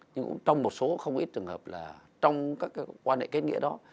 nhưng cũng trong một số không ít trường hợp là trong các quan hệ kết nghĩa đó